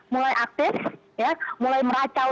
mulai aktif mulai meracau